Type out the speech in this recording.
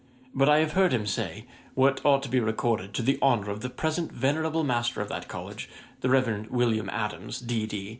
But I have heard him say, what ought to be recorded to the honour of the present venerable master of that College, the Reverend William Adams, D.D.